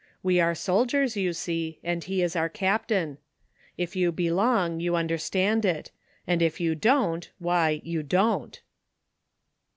We are soldiers, you see, and he is our Captain. If you belong you under stand it; and if you don't, why, you don't."